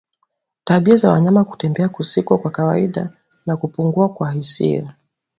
Tabia ya mnyama kutembea kusiko kwa kawaida na kupungua kwa hisia